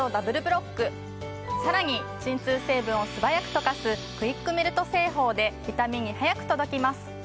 さらに鎮痛成分を素早く溶かすクイックメルト製法で痛みに速く届きます。